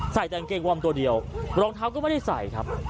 ใส่แต่กางเกงวอร์มตัวเดียวรองเท้าก็ไม่ได้ใส่ครับ